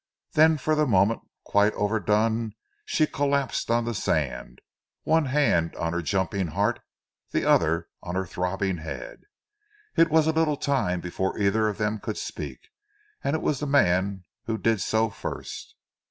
Then for the moment quite overdone, she collapsed on the sand, one hand on her jumping heart, the other on her throbbing head. It was a little time before either of them could speak, and it was the man who did so first.